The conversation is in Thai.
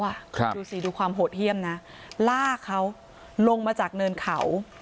ดูสิดูความโหดเยี่ยมนะลากเขาลงมาจากเนินเขา